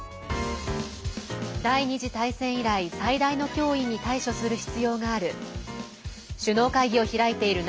第２次大戦以来最大の脅威に対処する必要がある。